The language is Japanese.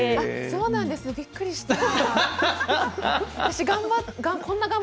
そうなんですねびっくりした。